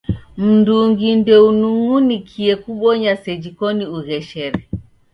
Mndungi ndeunung'unikie kubonya seji koni ugheshere.